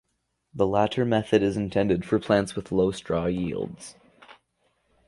The latter method is intended for plants with low straw yields.